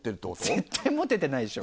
絶対モテてないでしょ。